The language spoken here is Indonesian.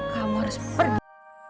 kamu harus pergi